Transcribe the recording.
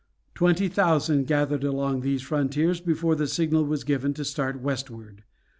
Twenty thousand gathered along these frontiers before the signal was given to start westward.